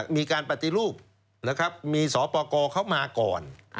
มีการปฏิรูปมีศปกเขามาก่อน